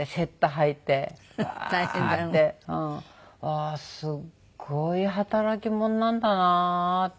ああすごい働き者なんだなって。